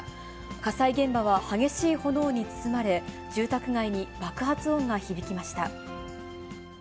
火災現場は激しい炎に包まれ、住宅街に爆発音が響きました。